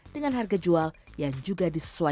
dengan harga jual yang juga disesuaikan